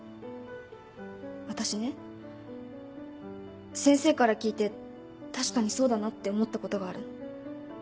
私ね先生から聞いて確かにそうだなって思ったことがあるの。